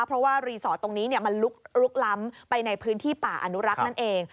เพราะว่ารีสอร์ทตรงนี้มันลุกล้ำไปในพื้นที่ป่าอนุรักษ์นั่นเอง